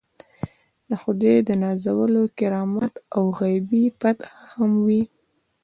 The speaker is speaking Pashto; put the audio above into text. د خدای د نازولو کرامات او غیبي فتحې هم وي.